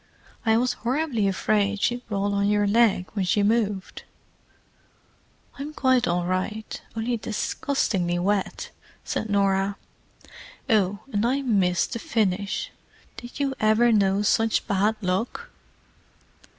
"I was horribly afraid she'd roll on your leg when she moved." "I'm quite all right—only disgustingly wet," said Norah. "Oh, and I missed the finish—did you ever know such bad luck?"